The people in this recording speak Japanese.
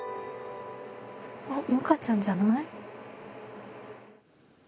あ百花ちゃんじゃない？